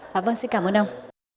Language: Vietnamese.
học văn xin cảm ơn ông